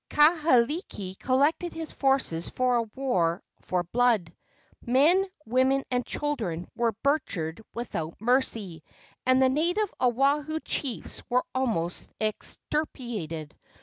Kahekili collected his forces for a war for blood. Men, women and children were butchered without mercy, and the native Oahu chiefs were almost extirpated.